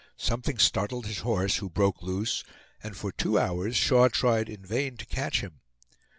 Something startled his horse, who broke loose, and for two hours Shaw tried in vain to catch him.